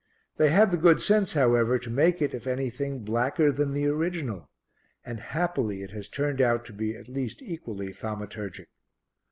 They had the good sense, however, to make it, if anything, blacker than the original, and happily it has turned out to be at least equally thaumaturgic.